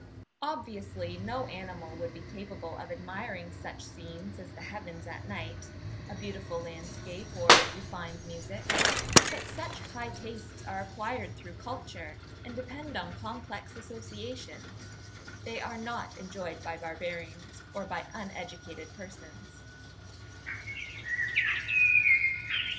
Obviously no animal would be capable of admiring such scenes as the heavens at night, a beautiful landscape, or refined music; but such high tastes are acquired through culture, and depend on complex associations; they are not enjoyed by barbarians or by uneducated persons.